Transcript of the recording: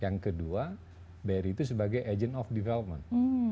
yang kedua bri itu sebagai agent of development